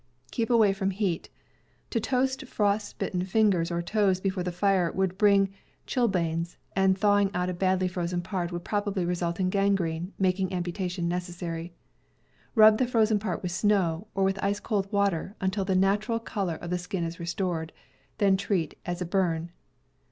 Keep away from heat. To toast frost bitten fingers or toes before the fire would bring chilblains, and _. thawing out a badly frozen part would Freezing i •^* probably result in gangrene, making amputation necessary. Rub the frozen part with snow, or with ice cold water, until the natural color of the skin is restored. Then treat as a burn.